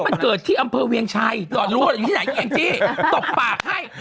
ฮะก็มันเกิดที่อำเภอเวียงชัยดอดรัวอยู่ที่ไหนง่ายตบปากให้